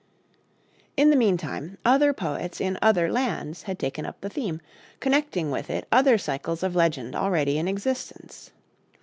In the mean time, other poets in other lands had taken up the theme, connecting with it other cycles of legend already in existence.